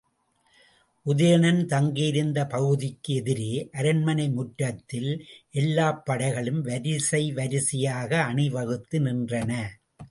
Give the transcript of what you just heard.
உதயணன் தங்கியிருந்த பகுதிக்கு எதிரே அரண்மனை முற்றத்தில் எல்லாப் படைகளும் வரிசை வரிசையாக அணிவகுத்து நின்றன.